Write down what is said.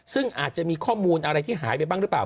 ซึ่งอาจจะมีข้อมูลอะไรที่หายไปบ้างหรือเปล่า